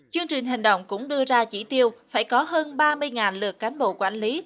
chương trình hành động cũng đưa ra chỉ tiêu phải có hơn ba mươi lượt cán bộ quản lý